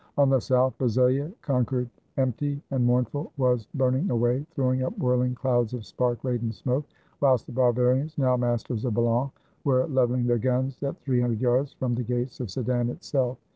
On the south Bazeilles, conquered, empty, and mournful, was burning away, throwing up whirling clouds of spark laden smoke; whilst the Bavarians, now masters of Balan, were levehng their guns at three hun dred yards from the gates of Sedan itself.